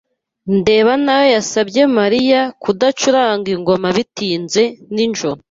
ndeba nayo yasabye Mariya kudacuranga ingoma bitinze nijoro.